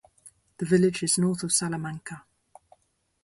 The village is north of Salamanca.